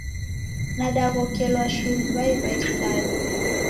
Nadaghokelwa shuu ni w'ai w'a isanya.